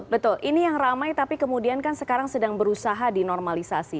betul ini yang ramai tapi kemudian kan sekarang sedang berusaha dinormalisasi